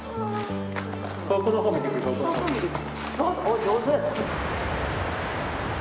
おっ上手！